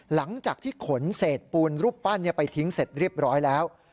หลังจากที่ขนเศษปูนรูปปั้นไปทิ้งเสร็จเรียบร้อยแล้ว